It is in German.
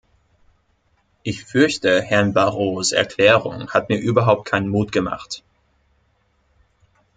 Ich fürchte, Herrn Barrots Erklärung hat mir überhaupt keinen Mut gemacht.